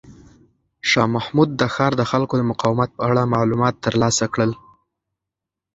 شاه محمود د ښار د خلکو د مقاومت په اړه معلومات ترلاسه کړل.